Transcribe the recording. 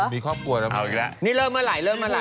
มีครอบครัวกับเราอีกแล้วนี่เริ่มเมื่อไหร่เริ่มเมื่อไห